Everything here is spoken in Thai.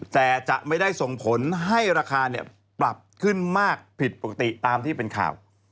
แต่จะไม่ได้ส่งผลให้ราคาปรับขึ้นมากผิดปกติตามที่เป็นข่าว